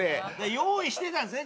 用意してたんですね